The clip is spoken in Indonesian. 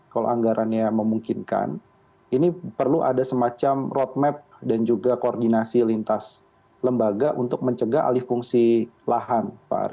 kalau anggarannya memungkinkan ini perlu ada semacam roadmap dan juga koordinasi lintas lembaga untuk mencegah alih fungsi lahan